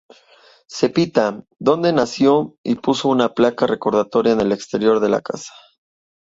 Zepita, donde nació, y puso una placa recordatoria en el exterior de la casa.